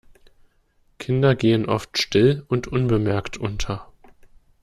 Kinder gehen oft still und unbemerkt unter.